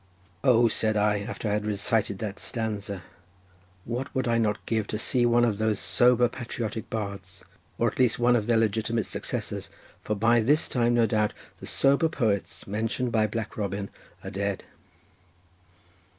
"Oh," said I, after I had recited that stanza, "what would I not give to see one of those sober patriotic bards, or at least one of their legitimate successors, for by this time no doubt, the sober poets, mentioned by Black Robin, are dead.